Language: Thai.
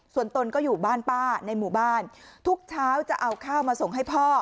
ส่วนตนก็อยู่บ้านป้าในหมู่บ้านทุกเช้าจะเอาข้าวมาส่งให้พ่อ